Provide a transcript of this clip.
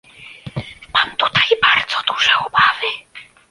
Mam tutaj bardzo duże obawy